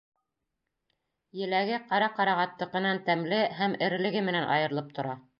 Еләге ҡара ҡарағаттыҡынан тәмле һәм эрелеге менән айырылып тора.